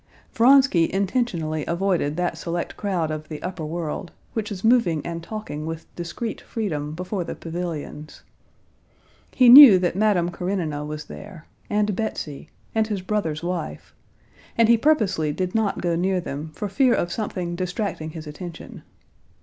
Vronsky intentionally avoided that select crowd of the upper world, which was moving and talking with discreet freedom before the pavilions. He knew that Madame Karenina was there, and Betsy, and his brother's wife, and he purposely did not go near them for fear of something distracting his attention.